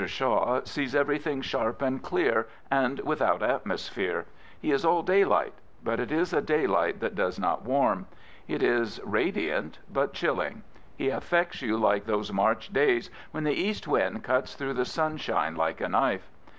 Shaw sees every thing sharp and clear, and without atmosphere. He is all daylight ; but it is a daylight that does not warm. It is ra^ant, but chilling. He affects you like those March days when the east wind cuts through the sun shine like a knife.